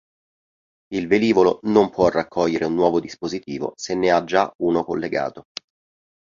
Il velivolo non può raccogliere un nuovo dispositivo se ne ha già uno collegato.